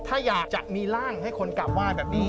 ถ้าอยากจะมีร่างให้คนกลับไหว้แบบนี้